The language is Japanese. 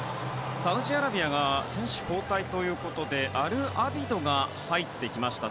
サウジアラビアが選手交代ということでアルアビドが入ってきました。